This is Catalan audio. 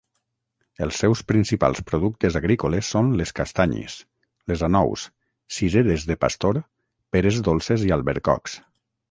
Els seus principals productes agrícoles són les castanyes, les anous, cireres de pastor, peres dolces i albercocs.